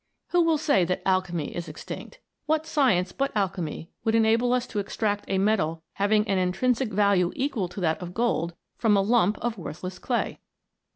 Who will say that alchemy is extinct 1 What science but alchemy would enable us to extract a metal having an intrinsic value equal to that of gold, from a lump of worthless clay?